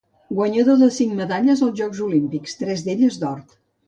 Guanyador de cinc medalles als Jocs Olímpics, tres d'elles d'or.